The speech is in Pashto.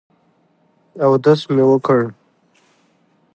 اودس مې وکړ.